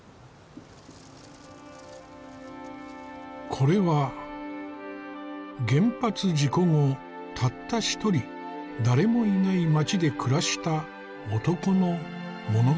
これは原発事故後たった一人誰もいない町で暮らした男の物語である。